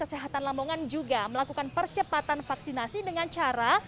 kesehatan lamongan juga melakukan percepatan vaksinasi dengan cara